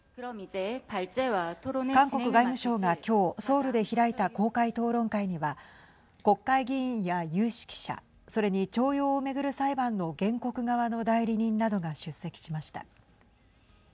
韓国外務省が今日ソウルで開いた公開討論会には国会議員や有識者、それに徴用を巡る裁判の原告側の代理人などが出席しました。